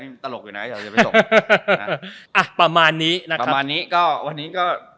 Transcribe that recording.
ตลกอยู่นะอยากจะไปตกอ่ะประมาณนี้นะครับประมาณนี้ก็วันนี้ก็